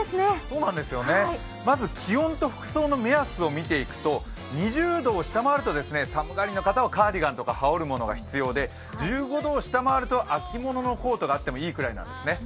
まず気温と服装の目安を見ていくと２０度を下回ると寒がりの方はカーディガンとか羽織る者が必要で１５度を下回ると秋もののコートがあってもいいくらいなんですね。